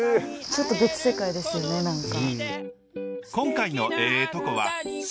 ちょっと別世界ですよね何か。